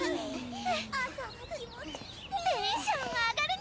テンション上がるにゃ！